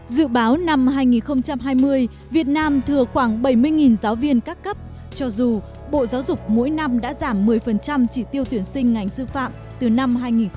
dự báo năm hai nghìn hai mươi việt nam thừa khoảng bảy mươi giáo viên các cấp cho dù bộ giáo dục mỗi năm đã giảm một mươi chỉ tiêu tuyển sinh ngành sư phạm từ năm hai nghìn hai mươi một